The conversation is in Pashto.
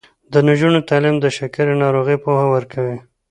د نجونو تعلیم د شکرې ناروغۍ پوهه ورکوي.